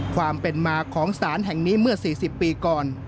ความเป็นมาของศาลแห่งนี้เมื่อ๔๐ปีก่อน